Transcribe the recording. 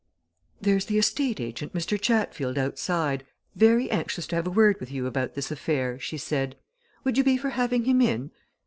"There's the estate agent, Mr. Chatfield, outside, very anxious to have a word with you about this affair," she said. "Would you be for having him in?